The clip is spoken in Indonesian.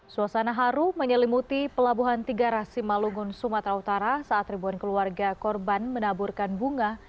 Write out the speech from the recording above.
suasana haru menyelimuti pelabuhan tiga rasimalungun sumatera utara saat ribuan keluarga korban menaburkan bunga